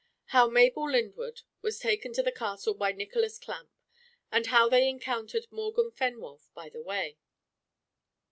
How Mabel Lyndwood was taken to the Castle by Nicholas Clamp And how they encountered Morgan Fenwolf by the way.